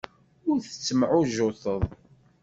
Ur tettemɛujjuteḍ.